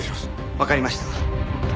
わかりました。